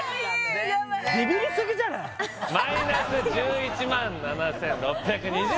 全然ダメマイナス１１万７６２０円